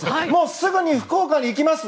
すぐに福岡に行きます。